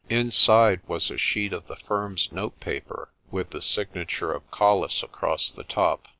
Inside was a sheet of the firm's notepaper, with the signa ture of Colles across the top.